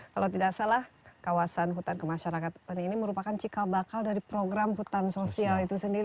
kalau tidak salah kawasan hutan kemasyarakatan ini merupakan cikal bakal dari program hutan sosial itu sendiri